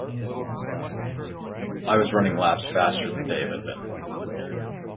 I was running laps faster than Dave had been.